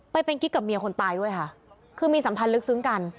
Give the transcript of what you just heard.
ไปเป็นกิ๊กกับเมียคนตายด้วยค่ะคือมีสัมพันธ์ลึกซึ้งกัน